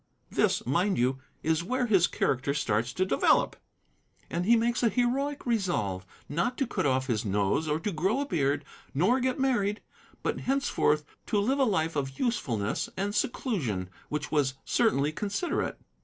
This, mind you, is where his character starts to develop. And he makes a heroic resolve, not to cut off his nose or to grow a beard, nor get married, but henceforth to live a life of usefulness and seclusion, which was certainly considerate.